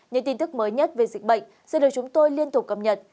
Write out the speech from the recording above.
những tin tức mới nhất về dịch bệnh sẽ được chúng tôi liên tục cập nhật